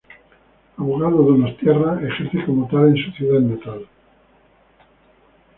Abogado donostiarra, ejerce como tal en su ciudad natal.